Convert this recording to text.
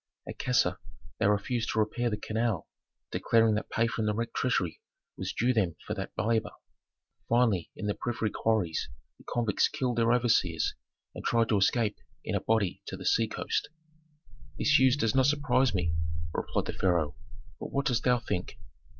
At Kasa they refused to repair the canal, declaring that pay from the treasury was due them for that labor. Finally in the porphyry quarries the convicts killed their overseers and tried to escape in a body to the seacoast." "This news does not surprise me," replied the pharaoh. "But what dost thou think?"